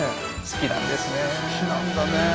好きなんだねえ。